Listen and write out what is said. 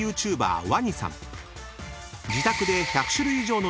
［自宅で］